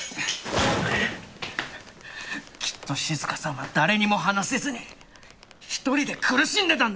きっと静香さんは誰にも話せずに一人で苦しんでたんだ。